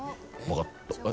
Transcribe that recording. わかった。